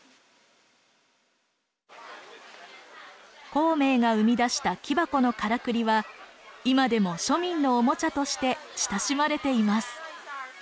孔明が生み出した木箱のからくりは今でも庶民のおもちゃとして親しまれています。